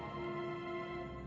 dua hari lagi